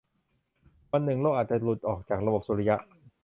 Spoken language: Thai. วันหนึ่งโลกอาจจะหลุดออกจากระบบสุริยะ